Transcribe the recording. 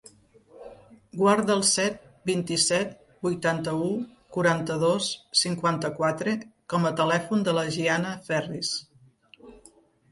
Guarda el set, vint-i-set, vuitanta-u, quaranta-dos, cinquanta-quatre com a telèfon de la Gianna Ferris.